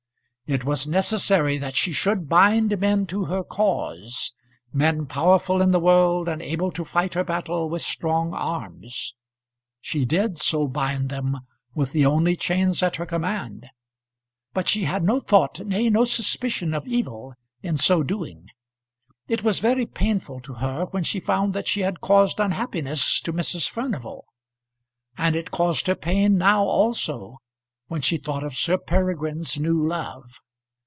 It was necessary that she should bind men to her cause, men powerful in the world and able to fight her battle with strong arms. She did so bind them with the only chains at her command, but she had no thought, nay, no suspicion of evil in so doing. It was very painful to her when she found that she had caused unhappiness to Mrs. Furnival; and it caused her pain now, also, when she thought of Sir Peregrine's new love.